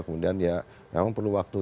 kemudian ya memang perlu waktu